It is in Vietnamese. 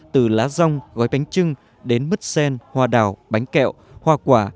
từ lá rong gói bánh trưng đến mứt sen hoa đào bánh kẹo hoa quả